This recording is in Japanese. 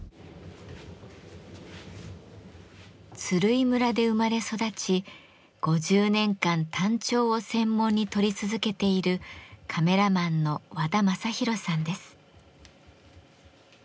鶴居村で生まれ育ち５０年間タンチョウを専門に撮り続けているカメラマンの和田正宏さんです。